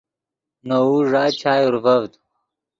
نے وؤ ݱا چائے اورڤڤد